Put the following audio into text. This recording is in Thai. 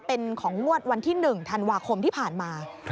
เป็นของงวดวันที่๑ธันวาคมที่ผ่านมา